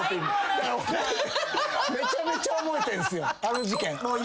めちゃめちゃ覚えてるんすよあの事件。